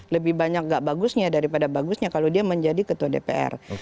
lebih banyak gak bagusnya daripada bagusnya kalau dia menjadi ketua dpr